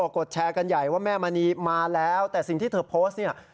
กดแชร์กันใหญ่ว่าแม่มณีมาแล้วแต่สิ่งที่เธอโพสต์เนี่ย